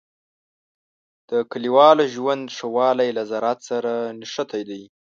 د کلیوالو ژوند ښه والی له زراعت سره نښتی دی.